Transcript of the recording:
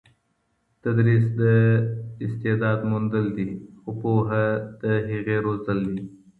تدریس د استعداد موندل دي خو پوهنه د هغې روزل دي.